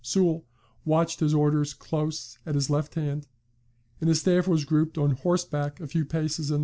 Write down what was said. Soult watched his orders close at his left hand, and his staff was grouped on horseback a few paces in the rear.